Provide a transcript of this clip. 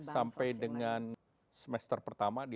sampai dengan semester pertama